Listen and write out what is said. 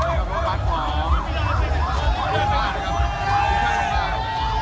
นั่งครับรถบัตรที่อาจจะเห็นไกล